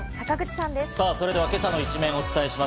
さぁ、それでは今朝の一面をお伝えします。